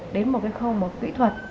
đến một cái khâu kỹ thuật